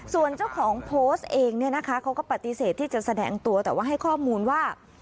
ส่วนเจ้าของโพสต์เองเนี่ยนะคะเขาก็ปฏิเสธที่จะแสดงตัวแต่ว่าให้ข้อมูลว่า